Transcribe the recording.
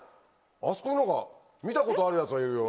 あそこに何か見たことあるやつがいるよ。